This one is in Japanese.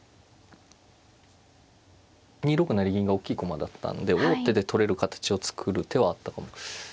２六成銀がおっきい駒だったんで王手で取れる形を作る手はあったかも。